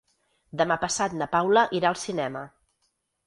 Demà passat na Paula irà al cinema.